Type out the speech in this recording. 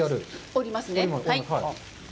折りますね。